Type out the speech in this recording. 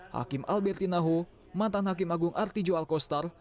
hakim alberti naho mantan hakim agung artijo alkostar